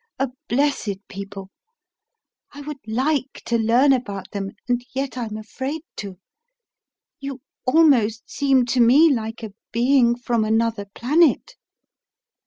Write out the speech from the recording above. A blessed people: I would like to learn about them; and yet I'm afraid to. You almost seem to me like a being from another planet."